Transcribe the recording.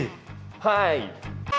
はい。